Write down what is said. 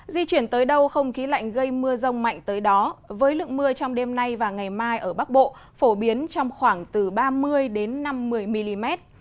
di chuyển tới đâu không khí lạnh gây mưa rông mạnh tới đó với lượng mưa trong đêm nay và ngày mai ở bắc bộ phổ biến trong khoảng từ ba mươi năm mươi mm